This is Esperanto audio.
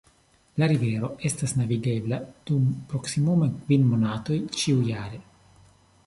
La rivero estas navigebla dum proksimume kvin monatoj ĉiujare.